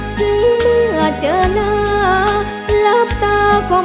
ภูมิสุภาพยาบาลภูมิสุภาพยาบาล